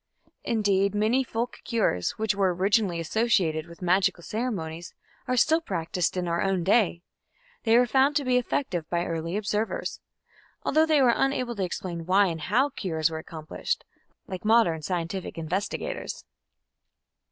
Indeed, many folk cures, which were originally associated with magical ceremonies, are still practised in our own day. They were found to be effective by early observers, although they were unable to explain why and how cures were accomplished, like modern scientific investigators.